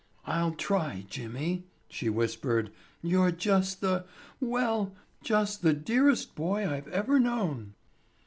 "I'll try, Jimmy," she whispered. "You're just the—well, just the dearest boy I've ever known."